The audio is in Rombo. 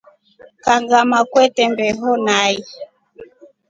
Kangama kwete mbeho nai.